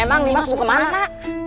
emang nimas mau ke mana